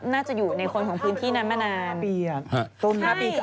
น่าจะอยู่ในคนของพื้นที่นั้นมานาน